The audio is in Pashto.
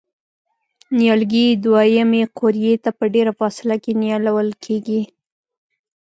نیالګي دوه یمې قوریې ته په ډېره فاصله کې نیالول کېږي.